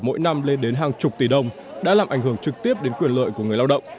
các doanh nghiệp mỗi năm lên đến hàng chục tỷ đồng đã làm ảnh hưởng trực tiếp đến quyền lợi của người lao động